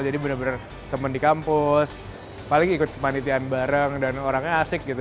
jadi benar benar teman di kampus paling ikut kepanitian bareng dan orangnya asik gitu